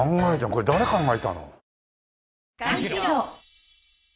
これ誰考えたの？